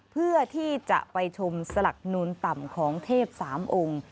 เพื่อที่จะไปชมสลักนูลต่ำของเทพสามองค์